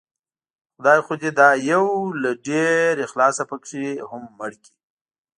خدای خو دې دا يو له ډېر اخلاصه پکې هم مړ کړي